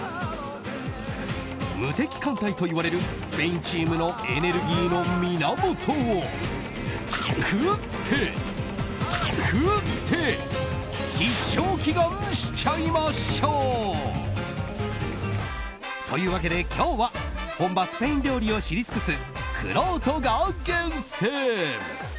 無敵艦隊といわれるスペインチームのエネルギーの源を食って、食って必勝祈願しちゃいましょう！というわけで今日は本場スペイン料理を知り尽くすくろうとが厳選！